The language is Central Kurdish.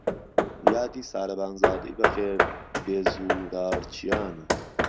یادی سارەبانزادەی بەخێر بێ زوورارچیانە